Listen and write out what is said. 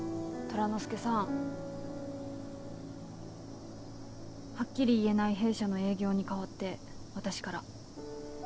寅之介さんはっきり言えない弊社の営業に代わって私から。